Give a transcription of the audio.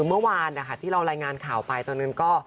เมื่อวานนะคะที่เรารายงานข่าวไปตอนนั้นก็